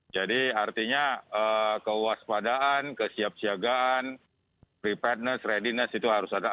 jadi artinya kewaspadaan kesiap siagaan preparedness readiness itu harus ada